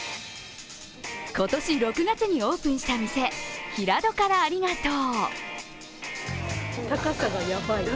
今年６月にオープンした店平戸からありがとう。